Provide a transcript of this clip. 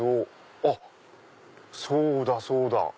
あっそうだそうだ！